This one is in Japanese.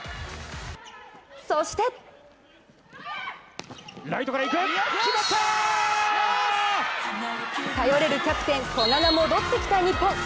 そして頼れるキャプテン・古賀が戻ってきた日本。